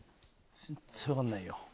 全然分かんないよ。